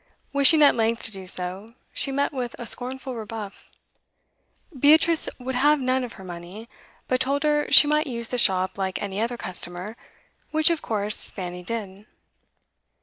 Wishing at length to do so, she met with a scornful rebuff. Beatrice would have none of her money, but told her she might use the shop like any other customer, which of course Fanny did.